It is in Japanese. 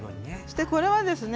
これはですね